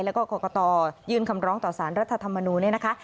แล้วก็กรกตยื่นคำร้องต่อสารรัฐธรรมนูลเนี่ยนะคะ